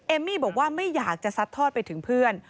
มี่บอกว่าไม่อยากจะซัดทอดไปถึงเพื่อน